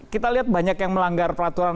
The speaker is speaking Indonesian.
kita lihat banyak yang melanggar peraturan